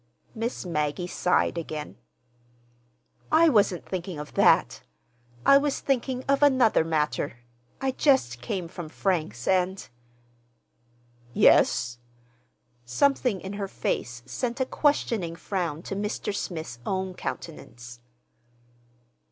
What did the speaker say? Miss Maggie sighed again. "I wasn't thinking of that. I was thinking of another matter. I just came from Frank's, and—" "Yes?" Something in her face sent a questioning frown to Mr. Smith's own countenance.